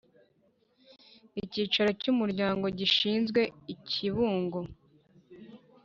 Icyicaro cy umuryango gishyizwe i kibungo